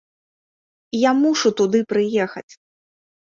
Я мушу туды прыехаць!